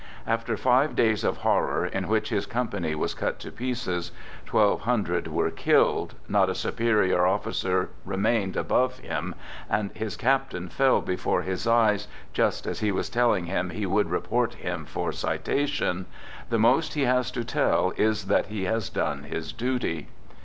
After five days of horror, in which bis company was cut to pieces, 1,200 were killed, not a superior officer remained above him, and his captain fell before his eyes just as he was telling him he would report him for citation — the most he has to tell is that he has done his duty.